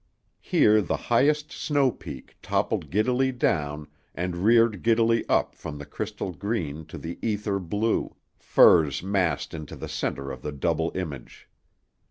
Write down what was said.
Here the highest snow peak toppled giddily down and reared giddily up from the crystal green to the ether blue, firs massed into the center of the double image.